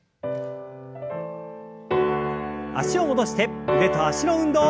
脚を戻して腕と脚の運動。